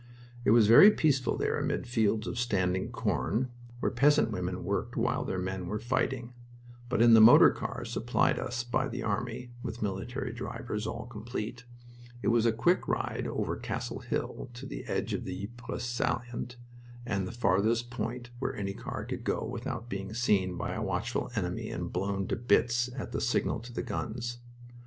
It was very peaceful there amid fields of standing corn, where peasant women worked while their men were fighting, but in the motor cars supplied us by the army (with military drivers, all complete) it was a quick ride over Cassel Hill to the edge of the Ypres salient and the farthest point where any car could go without being seen by a watchful enemy and blown to bits at a signal to the guns.